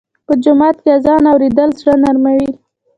په جومات کې اذان اورېدل زړه نرموي.